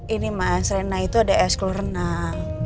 ini mas rena itu ada ekskul renang